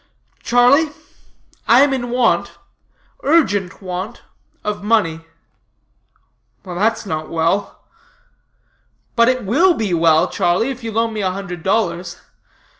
"Charlie, I am in want urgent want of money." "That's not well." "But it will be well, Charlie, if you loan me a hundred dollars.